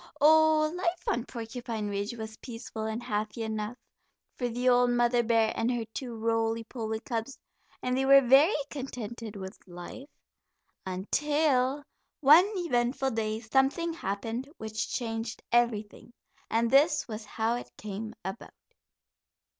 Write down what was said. Oh, life on Porcupine Ridge was peaceful and happy enough for the old mother bear and her two roly poly cubs, and they were very contented with life until one eventful day something happened which changed everything, and this was how it came about.